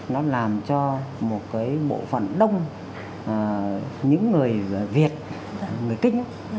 nó làm cho một cái bộ phận đông những người việt người kinh